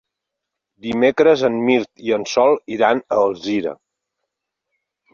Dimecres en Mirt i en Sol iran a Alzira.